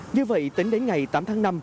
như vậy tính đến ngày tám tháng năm